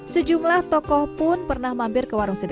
sejumlah tokoh pun pernah mampir ke warung nasi bu eha